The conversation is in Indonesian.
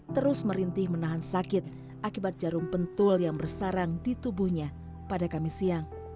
terus merintih menahan sakit akibat jarum pentul yang bersarang di tubuhnya pada kamis siang